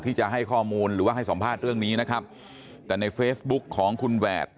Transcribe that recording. ที่จะให้ข้อมูลหรือว่าให้สัมภาษณ์เรื่องนี้นะครับแต่ในเฟซบุ๊กของคุณแหวด